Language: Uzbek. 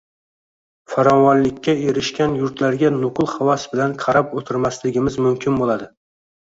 farovonlikka erishgan yurtlarga nuqul havas bilan qarab o‘tirmasligimiz mumkin bo‘ladi.